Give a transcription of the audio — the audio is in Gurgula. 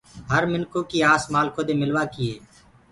هر منکو ڪي آس مآلکو دي ملوآ ڪي هي۔